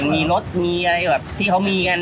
มีรถมีอะไรแบบที่เขามีกัน